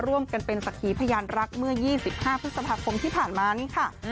ร่วมกันเป็นสักขีพยานรักเมื่อ๒๕พฤษภาคมที่ผ่านมานี่ค่ะ